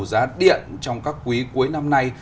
giá điện trong các quý cuối năm nay